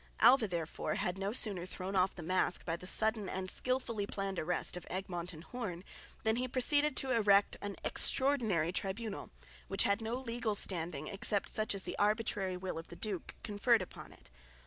Alva therefore had no sooner thrown off the mask by the sudden and skilfully planned arrest of Egmont and Hoorn, than he proceeded to erect an extraordinary tribunal, which had no legal standing except such as the arbitrary will of the duke conferred upon it.